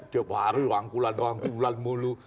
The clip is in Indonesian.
dia baru rangkulan rangkulan mulu